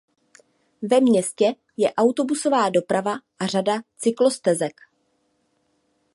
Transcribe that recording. Ve městě je autobusová doprava a řada cyklostezek.